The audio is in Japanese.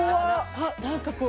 あ何かこう。